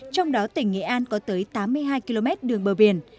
trong đó tỉnh nghệ an có tới tám mươi hai km đường bờ biển